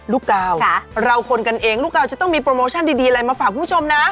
กาวเราคนกันเองลูกกาวจะต้องมีโปรโมชั่นดีอะไรมาฝากคุณผู้ชมนะ